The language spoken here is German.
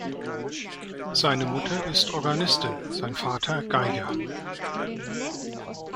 Seine Mutter ist Organistin, sein Vater Geiger.